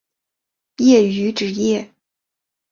业余职业